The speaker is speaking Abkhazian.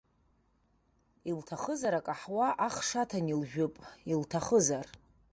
Илҭахызар, акаҳуа ахш аҭаны илжәып, илҭахызар.